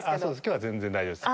今日は全然大丈夫です。